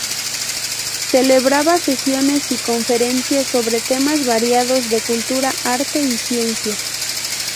Celebraba sesiones y conferencias sobre temas variados de cultura, arte y ciencia.